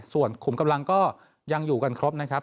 ส่วนขุมกำลังก็ยังอยู่กันครบนะครับ